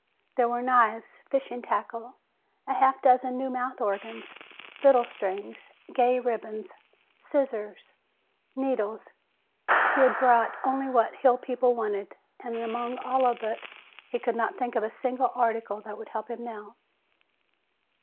There were knives, fishing tackle, a half dozen new mouth organs, fiddle strings, gay ribbons, scissors, needles He had bought only what the hill people wanted, and among all of it he could not think of a single article that would help him now.